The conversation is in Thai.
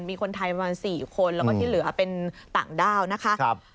มีคนไทยประมาณ๔คนแล้วก็ที่เหลือเป็นต่างด้าวนะคะ